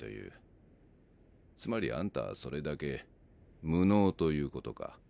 つまりあんたはそれだけ無能ということか？